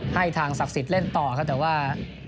ให้ทางศักดิ์ศิษฐ์เล่นต่อแต่ว่า